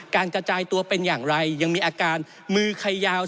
กระจายตัวเป็นอย่างไรยังมีอาการมือไขยาว